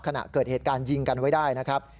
ขณะเกิดเหตุการณ์ยิงกันไว้ได้นะครับ